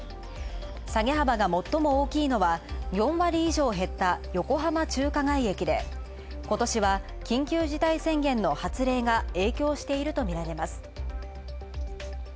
下げ幅が最も大きいのは４割以上減った横浜中華街駅で今年は緊急事態宣言の発令が影響しているとみられます。